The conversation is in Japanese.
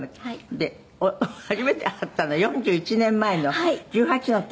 「で初めて会ったの４１年前の１８の時」